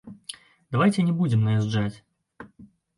Давайце не будзем наязджаць.